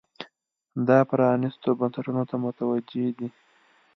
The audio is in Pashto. دا پرانیستو بنسټونو ته متوجې دي.